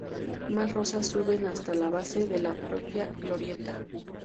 Más rosas suben hasta la base de la propia glorieta.